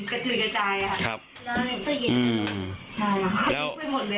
คือวันนี้ไม่ได้แกะแล้วครับเป็นครับครับอืมแล้ว